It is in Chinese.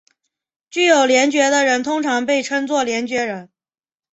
具有联觉的人通常被称作联觉人。